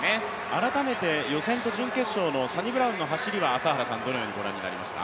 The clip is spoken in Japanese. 改めて予選と準決勝のサニブラウンの走りはどのようにご覧になりますか？